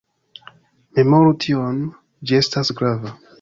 Memoru tion, ĝi estas grava.